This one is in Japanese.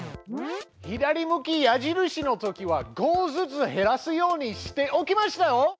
左向き矢印のときは５ずつ減らすようにしておきましたよ！